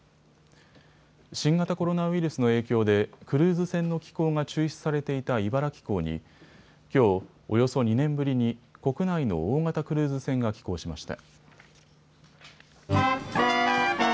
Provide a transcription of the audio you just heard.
新型コロナウイルスの影響でクルーズ船の寄港が中止されていた茨城港にきょう、およそ２年ぶりに国内の大型クルーズ船が寄港しました。